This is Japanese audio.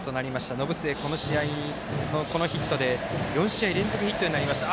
延末、この試合のこのヒットで４試合連続ヒットになりました。